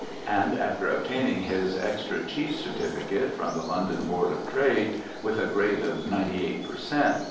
And after obtaining his extra chief's certificate from the London Board of Trade, with a grade of ninety eight per cent.